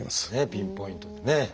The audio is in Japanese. ピンポイントでね。